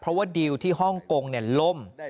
เพราะว่าดิวที่ฮ่องกงล่ม